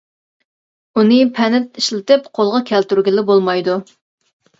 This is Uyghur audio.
ئۇنى پەنت ئىشلىتىپ قولغا كەلتۈرگىلى بولمايدۇ.